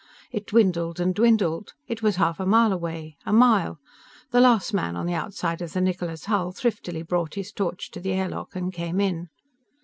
It dwindled and dwindled. It was a half mile away. A mile. The last man on the outside of the Niccola's hull thriftily brought his torch to the air lock and came in.